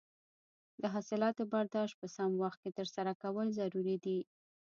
د حاصلاتو برداشت په سم وخت ترسره کول ضروري دي.